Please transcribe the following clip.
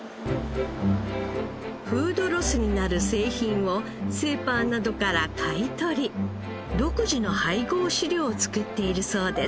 フードロスになる製品をスーパーなどから買い取り独自の配合飼料を作っているそうです。